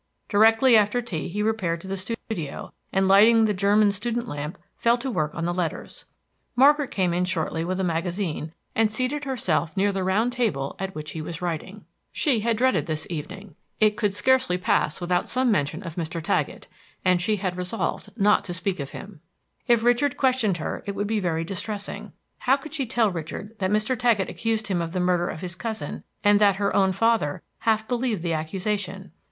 Directly after tea he repaired to the studio, and, lighting the German student lamp, fell to work on the letters. Margaret came in shortly with a magazine, and seated herself near the round table at which he was writing. She had dreaded this evening; it could scarcely pass without some mention of Mr. Taggett, and she had resolved not to speak of him. If Richard questioned her it would be very distressing. How could she tell Richard that Mr. Taggett accused him of the murder of his cousin, and that her own father half believed the accusation?